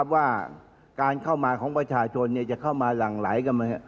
ว่าการเข้ามาของประชาชนจะเข้ามาหลั่งไหลกัน